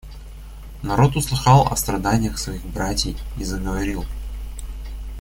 Народ услыхал о страданиях своих братий и заговорил.